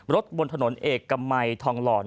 รถบนถนนเอกกะมัยทองหล่อ